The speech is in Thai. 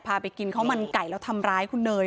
ไปกินข้าวมันไก่แล้วทำร้ายคุณเนย